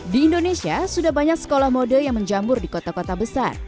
di indonesia sudah banyak sekolah mode yang menjamur di kota kota besar